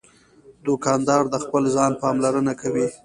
دوکاندار د خپل ځان پاملرنه کوي.